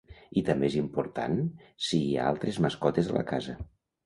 I també és important si hi ha altres mascotes a la casa.